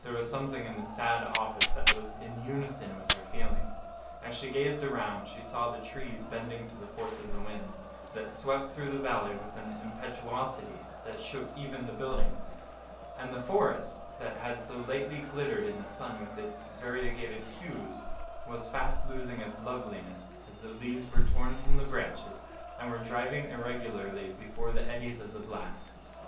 There was something in the sad office that was in unison with her feelings. As she gazed around, she saw the trees bending to the force of the wind, that swept through the valley with an impetuosity that shook even the buildings; and the forest, that had so lately glittered in the sun with its variegated hues, was fast losing its loveliness, as the leaves were torn from the branches, and were driving irregularly before the eddies of the blast.